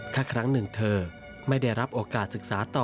ถ้าครั้งหนึ่งเธอไม่ได้รับโอกาสศึกษาต่อ